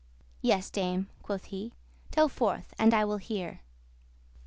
"Yes, Dame," quoth he, "tell forth, and I will hear."